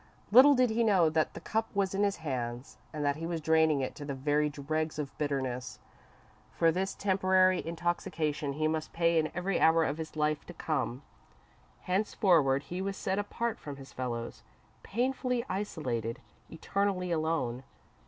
Little did he know that the Cup was in his hands, and that he was draining it to the very dregs of bitterness. For this temporary intoxication, he must pay in every hour of his life to come. Henceforward he was set apart from his fellows, painfully isolated, eternally alone.